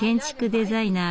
デザイナー